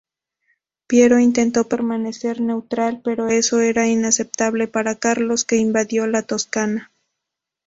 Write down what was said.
Piero intentó permanecer neutral, pero eso era inaceptable para Carlos, que invadió la Toscana.